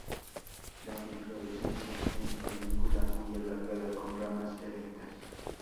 La inflorescencia en panícula muy alargada, con ramas erectas.